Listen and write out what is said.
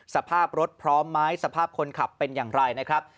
สภาพรถพร้อมไหมสภาพคนขับเป็นอย่างไรนะครับ